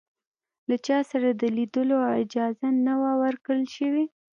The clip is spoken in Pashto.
له چا سره د لیدلو اجازه نه وه ورکړل شوې.